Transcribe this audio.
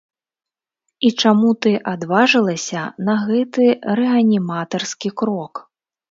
І чаму ты адважылася на гэты рэаніматарскі крок?